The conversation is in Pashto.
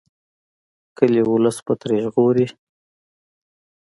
کلي ولس به ترې ژغوري.